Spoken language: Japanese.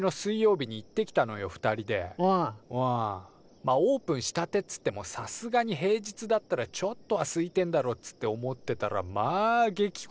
まあオープンしたてっつってもさすがに平日だったらちょっとはすいてんだろっつって思ってたらまあ激こみでさ。